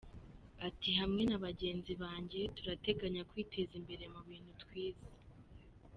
Ati “Hamwe na bagenzi banjye turateganya kwiteza imbere mu bintu twize.